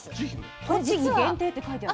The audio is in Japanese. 栃木限定って書いてある。